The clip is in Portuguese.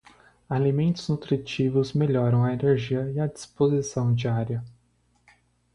Alimentos nutritivos melhoram a energia e a disposição diária.